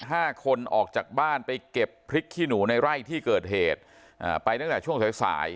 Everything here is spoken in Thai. ห้าคนออกจากบ้านไปเก็บพริกขี้หนูในไร่ที่เกิดเหตุอ่าไปตั้งแต่ช่วงสายสาย